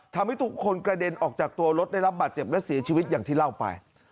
ทำให้ทุกคนกระเด็นออกจากตัวรถได้รับบาดเจ็บและเสียชีวิตอย่างที่เล่าไป